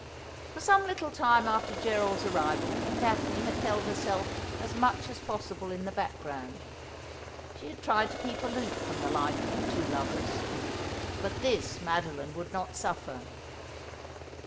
For some little time after Gerald's arrival Daphne had held herself as much as possible in the background. She had tried to keep aloof from the life of the two lovers ; but this Mado line would not suffer.